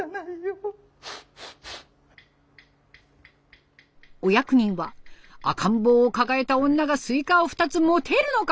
お役人は「赤ん坊を抱えた女がスイカを２つ持てるのか」と疑います。